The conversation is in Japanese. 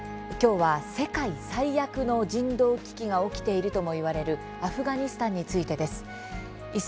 きょうは世界最悪の人道危機が起きているとも言われるアフガニスタンについてです。